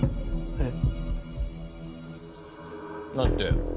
えっ？